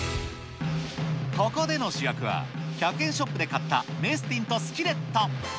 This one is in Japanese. ここでの主役は、１００円ショップで買ったメスティンとスキレット。